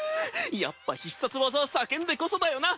やっぱ必殺技は叫んでこそだよな！